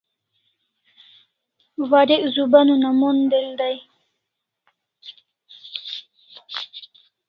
Warek zuban una mon del dai